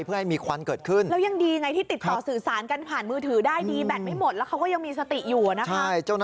เพื่อให้มีความเคลื่อนเกิดขึ้น